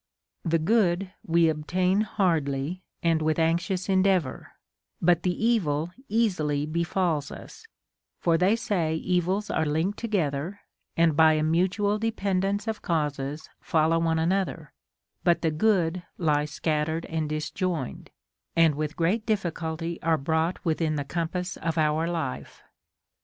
The good we obtain hardly and with anxious endeavor, but the evil easily befalls us ; for they say evils are linked to gether, and by a mutual dependence of causes follow one another, but the good lie scattered and disjoined, and with great difficulty are brought within the compass of our life.